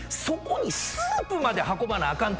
そこにスープまで運ばなあ